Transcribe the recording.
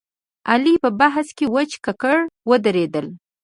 علي په بحث کې وچ ککړ ودرېدل.